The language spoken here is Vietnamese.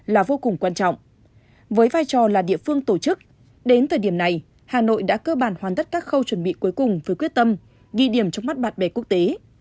là vô cùng quan trọng với vai trò là địa phương tổ chức đến thời điểm này hà nội đã cơ bản hoàn tất các khâu chuẩn bị cuối cùng với quyết tâm ghi điểm trong mắt bạn bè quốc tế